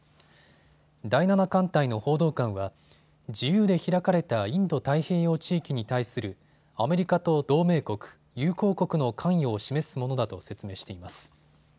第７艦隊の報道官は自由で開かれたインド太平洋地域に対するアメリカと同盟国、友好国の関与を示すものだと説明しています。